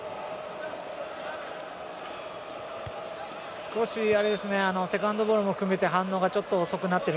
少しセカンドボールも含めて反応がちょっと遅くなっている。